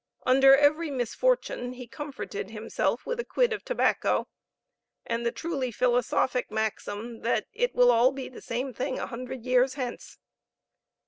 Under every misfortune he comforted himself with a quid of tobacco, and the truly philosophic maxim that "it will be all the same thing a hundred years hence."